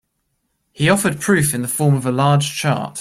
He offered proof in the form of a large chart.